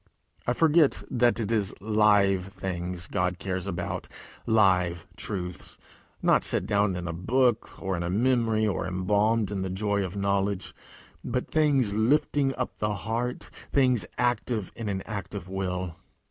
I forget that it is live things God cares about live truths, not things set down in a book, or in a memory, or embalmed in the joy of knowledge, but things lifting up the heart, things active in an active will.